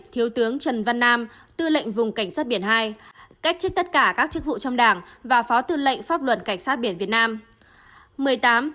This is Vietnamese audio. một mươi bảy thiếu tướng trần văn nam tư lệnh vùng cảnh sát biển hai cách trích tất cả các chức vụ trong đảng và phó tư lệnh pháp luận cảnh sát biển việt nam